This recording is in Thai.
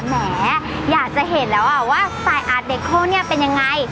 แหมอยากจะเห็นแล้วว่าสไตล์อาร์ตเดคโครเป็นยังไง